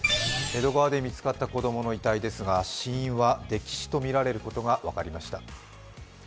江戸川で見つかった子供の遺体ですが、死因は溺死とみられることが分かりました。